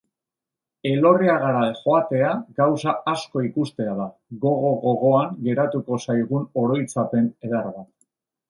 Elorriagara joatea gauza asko ikustea da, gogo-gogoan geratuko zaigun oroitzapen eder bat.